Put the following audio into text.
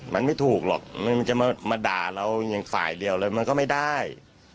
มันไม่ถูกหรอกมันจะมาด่าเราอย่างฝ่ายเดียวเลยมันก็ไม่ได้